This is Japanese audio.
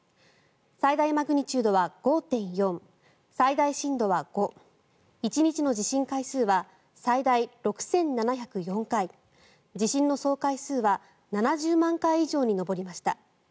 最大マグニチュードは５．４最大震度は５１日の地震回数は最大６７０４回地震の総回数は７０万回以上に上りました。